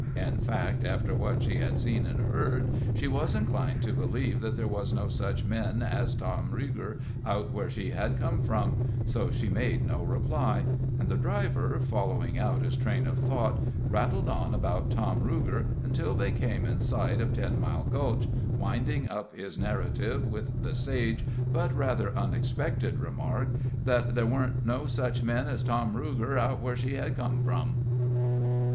In fact, after what she had seen and heard, she was inclined to believe that there was no such men as Tom Ruger out where she had come from; so she made no reply; and the driver, following out his train of thought, rattled on about Tom Ruger until they came in sight of Ten Mile Gulch, winding up his narrative with the sage, but rather unexpected, remark, that there weren't no such men as Tom Ruger out where she had come from.